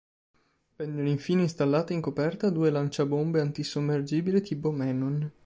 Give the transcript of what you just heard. Vennero infine installati in coperta due lanciabombe antisommergibile tipo Menon.